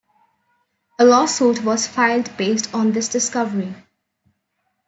A lawsuit was filed based on this discovery.